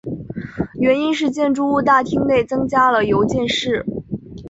原因是建筑物大厅内增加了邮件室。